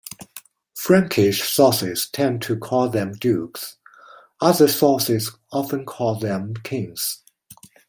Frankish sources tend to call them dukes; other sources often call them kings.